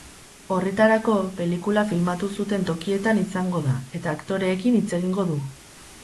Horretarako, pelikula filmatu zuten tokietan izango da eta aktoreekin hitz egingo du.